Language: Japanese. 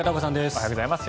おはようございます。